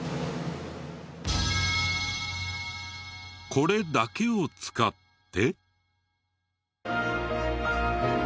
これだけを使って。